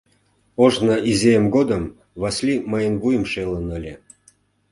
Ожно, изиэм годым, Васли мыйын вуйым шелын ыле...